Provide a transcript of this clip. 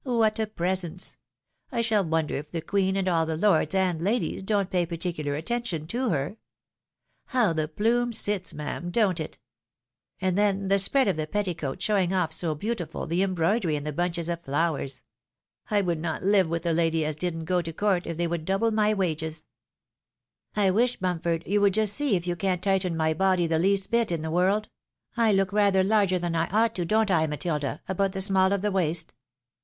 What a presence ! I shall wonder if the Queen, and all the lords and ladies, don't pay particular attention to her. Plow the plume sits, ma'am, don't it? And then the spread of the petti coat, showing off so beautiful the embroidery and the bunches of flowers ! I would not live with a lady as didn't go to com't, if they would double my wages." "I wish, Bumpford, you would just see if you can't tighten my body the least bit in the world ; I look rather larger than. I ought to do, don't I, Matilda, about the small of the waist